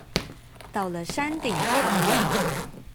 到了山頂超冷